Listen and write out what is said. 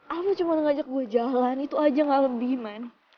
aku cuma ngajak gue jalan itu aja gak lebih man